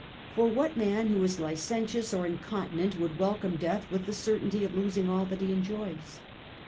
For what man who is licentious or incontinent would welcome death with the certainty of losing all that he enjoys